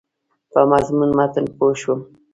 په مضمون متن پوه شوم.